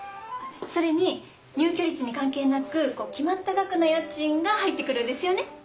それに入居率に関係なく決まった額の家賃が入ってくるんですよね？